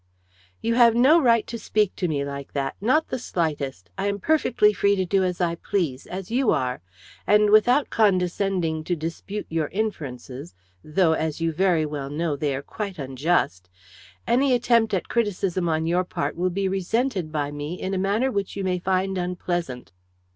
"You have no right to speak to me like that not the slightest! I am perfectly free to do as I please, as you are. And, without condescending to dispute your inferences though, as you very well know, they are quite unjust! any attempt at criticism on your part will be resented by me in a manner which you may find unpleasant."